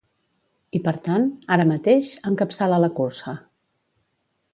I per tant, ara mateix, encapçala la cursa.